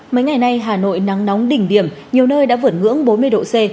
mấy ngày nay hà nội nắng nóng đỉnh điểm nhiều nơi đã vượt ngưỡng bốn mươi độ c